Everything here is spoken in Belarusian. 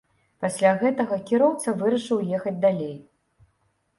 Пасля гэтага кіроўца вырашыў ехаць далей.